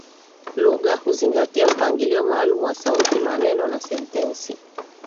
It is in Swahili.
Lugha huzingatia mpangilio maalum wa sauti, maneno na sentensi.